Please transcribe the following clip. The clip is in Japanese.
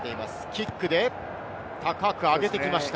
キックで高く上げてきました。